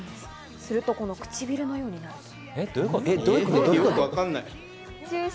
すると唇のようになるんです。